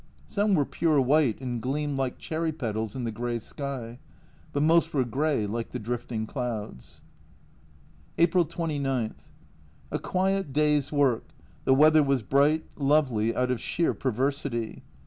Some were pure white and gleamed like cherry petals in the grey sky, but most were grey, like the drifting clouds. April 29. A quiet day's work, the weather was bright, lovely, out of sheer perversity.